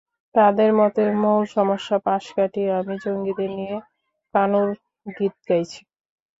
তাঁদের মতে, মূল সমস্যা পাশ কাটিয়ে আমি জঙ্গিদের নিয়ে কানুর গীত গাইছি।